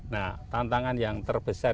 nah tantangan yang terbesar